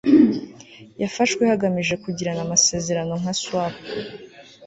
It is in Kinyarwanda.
yafashwe hagamijwe kugirana amasezerano nka swap